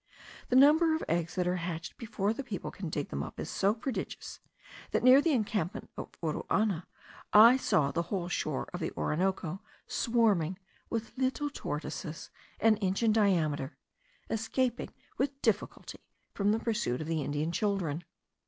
The number of eggs that are hatched before the people can dig them up is so prodigious, that near the encampment of Uruana I saw the whole shore of the Orinoco swarming with little tortoises an inch in diameter, escaping with difficulty from the pursuit of the Indian children.